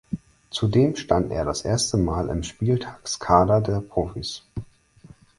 Zudem stand er das erste Mal im Spieltagskader der Profis.